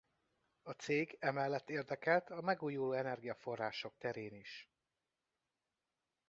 A cég emellett érdekelt a megújuló energiaforrások terén is.